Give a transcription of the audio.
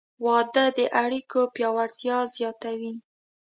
• واده د اړیکو پیاوړتیا زیاتوي.